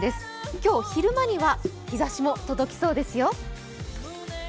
今日昼間には日ざしも届きそうですよ。